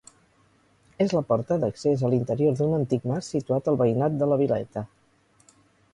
És la porta d'accés a l'interior d'un antic mas situat al veïnat de La Vileta.